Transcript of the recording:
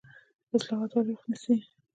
اصلاحات ولې وخت نیسي؟